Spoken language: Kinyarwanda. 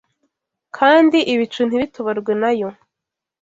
kandi ibicu ntibitoborwe na yo.